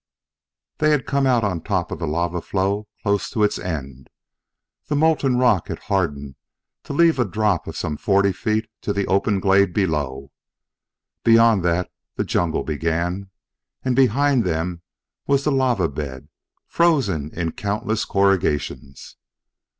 They had come out on top of the lava flow, close to its end. The molten rock had hardened to leave a drop of some forty feet to the open glade below. Beyond that the jungle began, but behind them was the lava bed, frozen in countless corrugations.